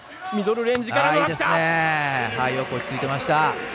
よく落ち着いていました。